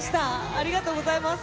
ありがとうございます！